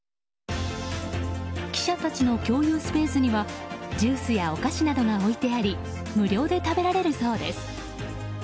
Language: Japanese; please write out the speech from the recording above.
記者たちの共有スペースにはジュースやお菓子などが置いてあり無料で食べられるそうです。